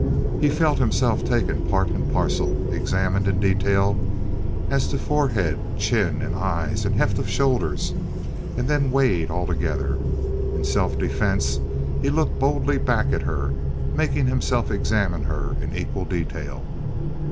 He felt himself taken part and parcel, examined in detail as to forehead, chin, and eyes and heft of shoulders, and then weighed altogether. In self defense he looked boldly back at her, making himself examine her in equal detail.